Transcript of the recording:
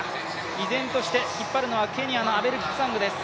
依然として引っ張るのはケニアのキプサングです。